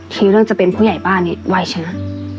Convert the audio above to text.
ทีเรื่องจะเป็นผู้ใหญ่บ้านนี้ไวใช่ไหม